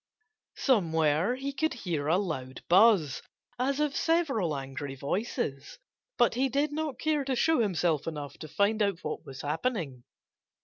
Somewhere he could hear a loud buzz, as of several angry voices. But he did not care to show himself enough to find out what was happening.